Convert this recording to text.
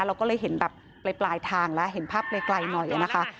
เราก็เลยเห็นแบบปลายทางแล้วเห็นภาพไกลหน่อยนะคะ